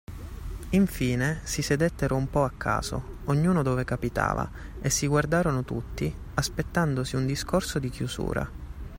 Infine, si sedettero un po’ a caso, ognuno dove capitava, e si guardarono tutti, aspettandosi un discorso di chiusura.